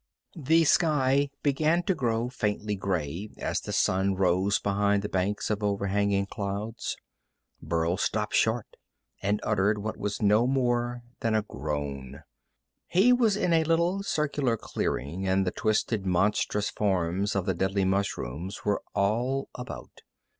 The sky began to grow faintly gray as the sun rose behind the banks of overhanging clouds. Burl stopped short and uttered what was no more than a groan. He was in a little circular clearing, and the twisted, monstrous forms of the deadly mushrooms were all about.